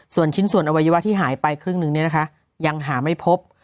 ส่วนชิ้นส่วนอวัยวะที่หายไปครึ่งหนึ่งยังหาไม่พบ